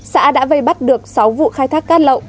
xã đã vây bắt được sáu vụ khai thác cát lậu